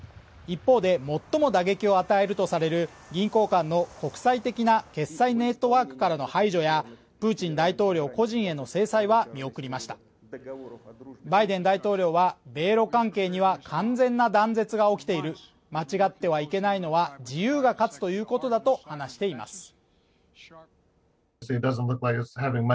一方で最も打撃を与えるとされる銀行間の国際的な決済ネットワークからの排除やプーチン大統領個人への制裁は見送りましたバイデン大統領は米ロ関係には完全な断絶が起きている間違ってはいけないのは自由が勝つということだと話しています